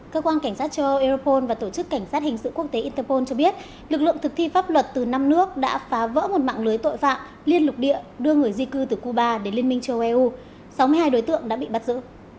cơ quan cảnh sát châu âu europol và tổ chức cảnh sát hình sự quốc tế interpol cho biết lực lượng thực thi pháp luật từ năm nước đã phá vỡ một mạng lưới tội phạm liên lục địa đưa người di cư từ cuba đến liên minh châu âu sáu mươi hai đối tượng đã bị bắt giữ